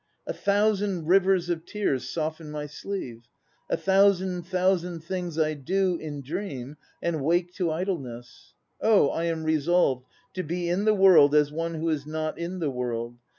A thousand rivers of tears soften my sleeve! A thousand, thousand things I do in dream \ncl wake to idleness! Oh I am resolved To be in the world as one who is not in the world.